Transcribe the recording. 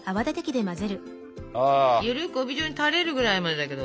ゆるく帯状にたれるくらいまでだけど。